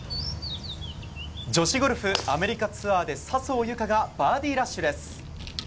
女子ゴルフ、アメリカツアーで笹生優花がバーディーラッシュです。